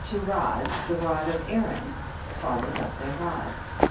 237 to rods, the rod of Aaron swallowed up their rods.